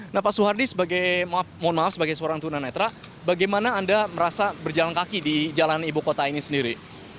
nah pak suhardi sebagai maaf sebagai seorang tunanetra bagaimana anda merasa berjalan kaki di jalan ibu kota ini sendiri